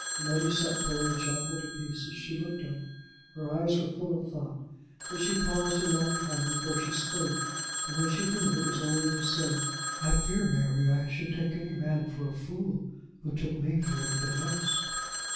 Letty sat pulling a jonquil to pieces. She looked up. Her eyes were full of thought, but she paused a long time before she spoke, and, when she did, it was only to say: "I fear, Mary, I should take any man for a fool who took me for anything else."